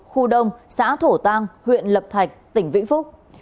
khu đông xã thổ tăng huyện lập thạch tỉnh vĩnh phúc